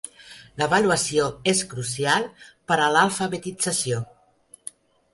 L'avaluació és crucial per a l'alfabetització.